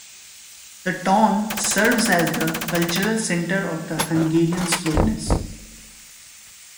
The town serves as the cultural centre of the Hungarian Slovenes.